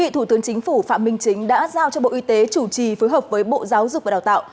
thủ tướng chính phủ phạm minh chính đã giao cho bộ y tế chủ trì phối hợp với bộ giáo dục và đào tạo